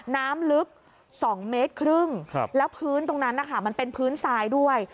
น้ำลึก๒เมตรครึ่งแล้วพื้นตรงนั้นนะคะมันเป็นพื้นทรายด้วย